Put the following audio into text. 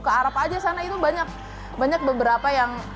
kearap aja sana itu banyak banyak beberapa yang